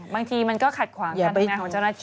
บางทีมันก็ขัดขวางกันเนี่ยของเจ้าหน้าที่